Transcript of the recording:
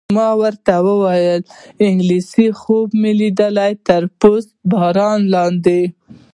ما ورته وویل: انګلېسي خوب مې لیده، تر پست باران لاندې.